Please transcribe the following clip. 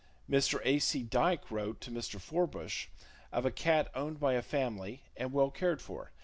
Mr. A.C. Dike wrote [to Mr. Forbush] of a cat owned by a family, and well cared for.